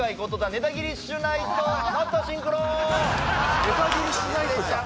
ネタギリッシュナイトじゃん